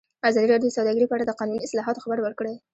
ازادي راډیو د سوداګري په اړه د قانوني اصلاحاتو خبر ورکړی.